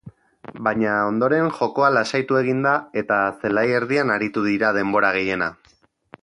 Baina ondoren jokoa lasaitu egin da eta zelai erdian aritu dira denbora gehiena.